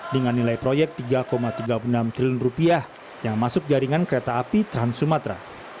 dengan nilai proyek rp tiga tiga puluh enam triliun yang masuk jaringan kereta api trans sumatera